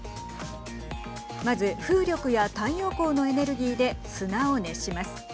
まず、風力や太陽光のエネルギーで砂を熱します。